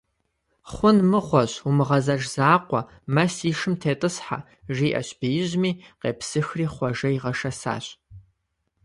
Хъун мыгъуэщ, умыгъэзэж закъуэ, мэ си шым тетӀысхьэ, - жиӀэщ беижьми, къепсыхри Хъуэжэ игъэшэсащ.